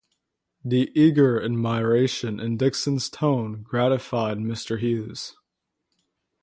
The eager admiration in Dickson's tone gratified Mr. Hughes.